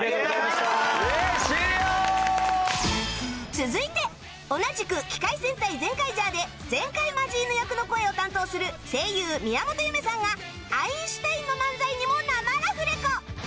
続いて同じく『機界戦隊ゼンカイジャー』でゼンカイマジーヌ役の声を担当する声優宮本侑芽さんがアインシュタインの漫才にも生ラフレコ！